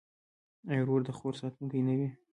آیا ورور د خور ساتونکی نه وي؟